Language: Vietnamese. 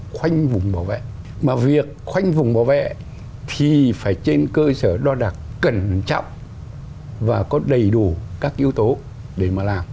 khoanh vùng bảo vệ mà việc khoanh vùng bảo vệ thì phải trên cơ sở đo đạc cẩn trọng và có đầy đủ các yếu tố để mà làm